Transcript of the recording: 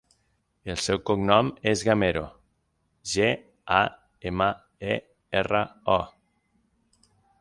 El seu cognom és Gamero: ge, a, ema, e, erra, o.